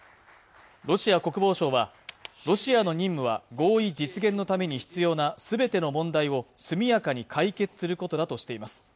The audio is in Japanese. ロシア国防省はロシアの任務は合意実現のために必要なすべての問題を速やかに解決することだとしています